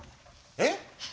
えっ！